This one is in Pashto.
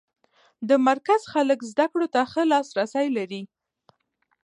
د مرکز خلک زده کړو ته ښه لاس رسی لري.